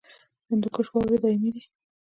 د هندوکش واورې دایمي دي